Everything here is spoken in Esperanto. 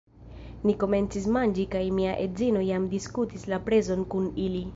Ni komencis manĝi kaj mia edzino jam diskutis la prezon kun ili